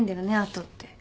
跡って。